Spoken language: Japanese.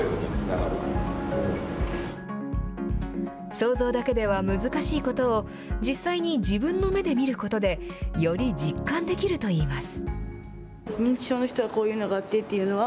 想像だけでは難しいことを、実際に自分の目で見ることで、より実感できるといいます。